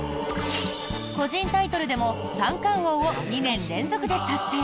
個人タイトルでも三冠王を２年連続で達成。